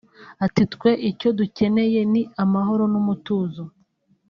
Ati “Twe icyo dukeneye ni amahoro n’umutuzo